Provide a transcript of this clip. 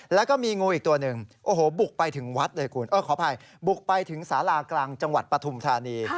แล้วก็มีงูอีกตัวหนึ่งบุกไปถึงสารากลางจังหวัดประถุมธานี